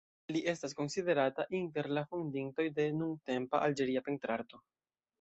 Li estas konsiderata inter la fondintoj de nuntempa Alĝeria pentrarto.